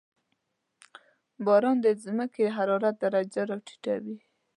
• باران د زمکې د حرارت درجه راټیټوي.